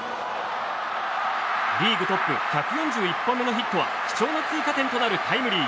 リーグトップ１４１本目のヒットは貴重な追加点となるタイムリー。